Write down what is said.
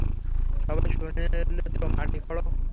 সবাই শুনলে তো, মাটি খোঁড়ো।